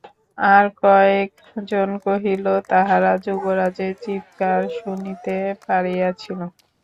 আর কয়েক জন কহিল, তাহারা যুবরাজের চীৎকার শুনিতে পাইয়াছিল।